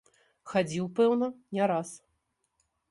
Хадзіў, пэўна, не раз.